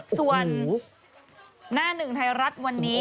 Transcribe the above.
ส่วนหน้าหนึ่งไทยรัฐวันนี้